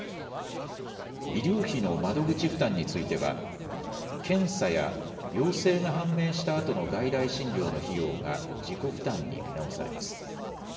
医療費の窓口負担については検査や陽性が判明したあとの外来診療の費用が自己負担に見直されます。